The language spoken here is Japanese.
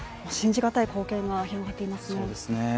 信じがたい光景が広がっていますね。